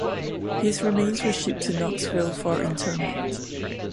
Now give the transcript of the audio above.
His remains were shipped to Knoxville for interment.